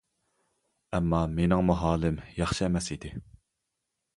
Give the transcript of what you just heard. ئەمما مېنىڭمۇ ھالىم ياخشى ئەمەس ئىدى.